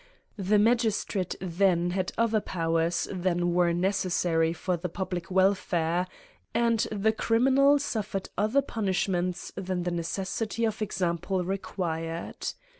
The magistrate then had other powers than were ne cessary for the public welfare, and the criminal suffered other punishments than the necessity of example required.